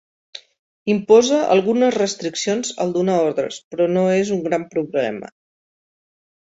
Imposa algunes restriccions al donar ordres, però no és un gran problema.